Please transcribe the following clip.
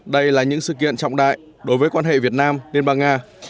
đây là những sự kiện trọng đại đối với quan hệ việt nam liên bang nga